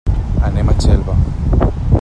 Anem a Xelva.